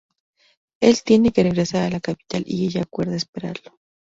Él tiene que regresar a la capital y ella acuerda esperarlo.